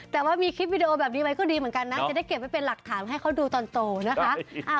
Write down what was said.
แต่ว่ามีคลิปวิดีโอแบบนี้ไว้ก็ดีเหมือนกันนะจะได้เก็บไว้เป็นหลักฐานให้เขาดูตอนโตนะคะ